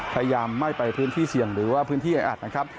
พยายามไม่ไปพื้นที่เสี่ยงหรือว่าพื้นที่แออัดนะครับ